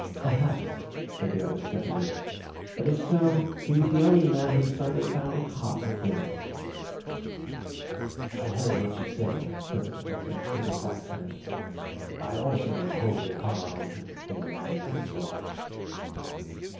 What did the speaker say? "Perhaps," said the other steadily; "but if so, he was the only man whom Sunday found it hard to kill." "I heard what you said," said the Professor, with his back turned. "I also am holding hard on to the thing I never saw."